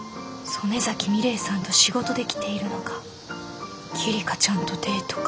曽根崎ミレイさんと仕事で来ているのか希梨香ちゃんとデートか。